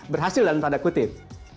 berhasil dalam tanda kutip